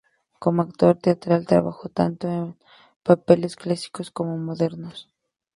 Como actor teatral, trabajó tanto en papeles clásicos como modernos.